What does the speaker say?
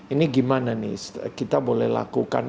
ini gimana nih kita boleh lakukan